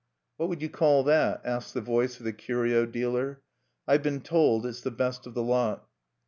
"What would you call that?" asked the voice of the curio dealer. "I've been told it's the best of the lot."